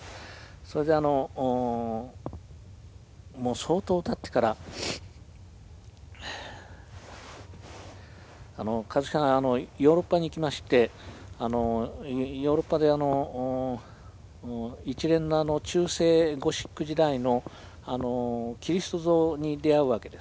それであのもう相当たってから香月さんがヨーロッパに行きましてヨーロッパで一連の中世ゴシック時代のキリスト像に出会うわけです。